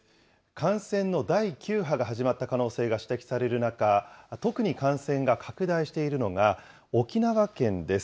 感染の第９波が始まった可能性が指摘される中、特に感染が拡大しているのが沖縄県です。